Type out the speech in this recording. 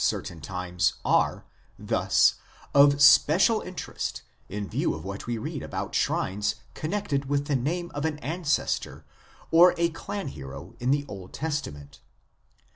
ANCESTOR WORSHIP 105 times are, thus, of special interest in view of what we read about shrines connected with the name of an ancestor or a clan hero in the Old Testament.